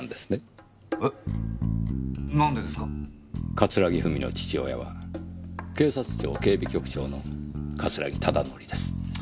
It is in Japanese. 桂木ふみの父親は警察庁警備局長の桂木忠則です。